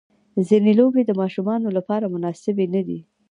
ځینې لوبې د ماشومانو لپاره مناسبې نه دي.